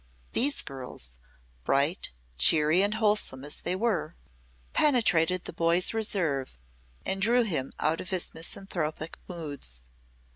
These girls, bright, cheery and wholesome as they were, penetrated the boy's reserve and drew him out of his misanthropic moods.